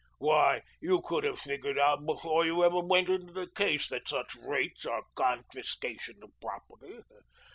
Why, you could have figured out before you ever went into the case that such rates are confiscation of property.